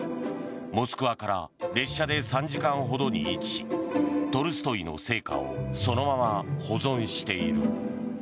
モスクワから列車で３時間ほどに位置しトルストイの生家をそのまま保存している。